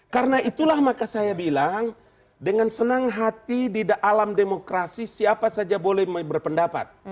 karena itulah maka saya bilang dengan senang hati di dalam demokrasi siapa saja boleh berpendapat